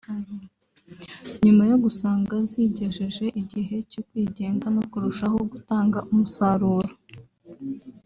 nyuma yo gusanga zigejeje igihe cyo kwigenga no kurushaho gutanga umusaruro